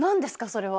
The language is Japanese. それは。